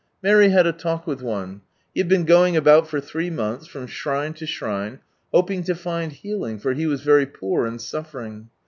Mary had a talk with one. He had been going about for three months, from shrine to shrine, hoping to find healing, for he was very poor and suffering.